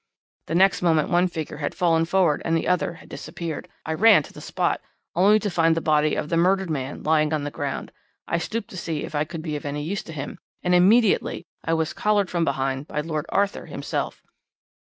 "'The next moment one figure had fallen forward and the other had disappeared. I ran to the spot, only to find the body of the murdered man lying on the ground. I stooped to see if I could be of any use to him, and immediately I was collared from behind by Lord Arthur himself.'